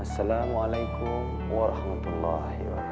assalamualaikum warahmatullahi wabarakatuh